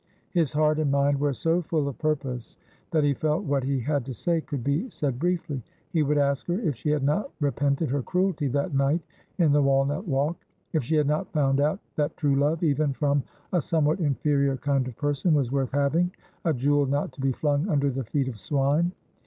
His heart and mind were so full of purpose that he felt what he had to say could be said briefly. He would ask her if she had not repented her cruelty that night in the walnut walk ; if she had not found out that true love, even from a somewhat inferior kind of person, was worth having — a jewel not to be flung under the feet of swine.